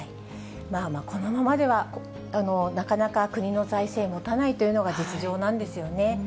このままでは、なかなか、国の財政、もたないというのが実情なんですよね。